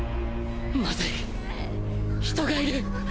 まずい人がいる！